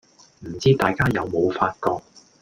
唔知大家有冇發覺